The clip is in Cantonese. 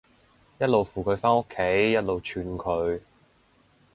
一路扶佢返屋企，一路串佢